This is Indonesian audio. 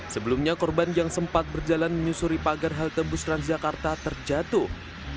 sebelumnya korban yang sempat berjalan menyusuri pagar halte bus transjakarta terjatuh